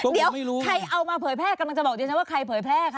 เดี๋ยวใครเอามาเผยแพร่กำลังจะบอกดิฉันว่าใครเผยแพร่คะ